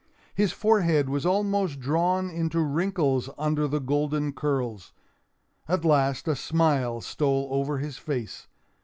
His forehead was almost drawn into wrinkles under the golden curls. At last a smile stole over his face.